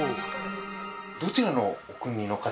どちらのお国の方。